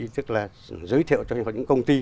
tức là giới thiệu cho những công ty